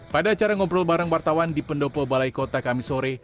pada acara ngobrol bareng wartawan di pendopo balai kota kamisore